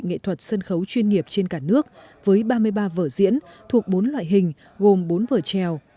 nghệ thuật sân khấu chuyên nghiệp trên cả nước với ba mươi ba vở diễn thuộc bốn loại hình gồm bốn vở trèo